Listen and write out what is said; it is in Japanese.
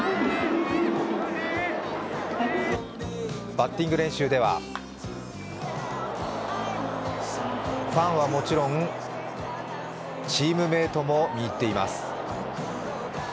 バッティング練習ではファンはもちろんチームメイトも見入っています。